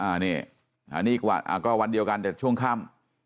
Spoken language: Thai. อันนี้กว่าก็วันเดียวกันแต่ช่วงข้าม